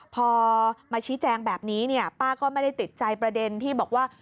พอมาชี้แจงแบบนี้เนี่ยป้าก็ไม่ได้ติดใจประเด็นที่บอกว่า